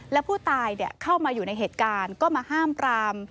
และผู้ตายเข้ามาอยู่ในเหตุการณ์ก็มาห้ามปราม